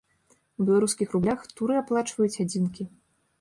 У беларускіх рублях туры аплачваюць адзінкі.